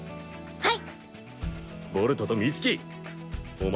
はい！